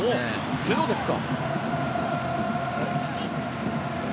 ゼロですか！